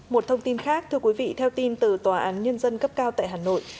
một thông tin khác thưa quý vị theo tin từ tòa án nhân dân cấp cao tại hà nội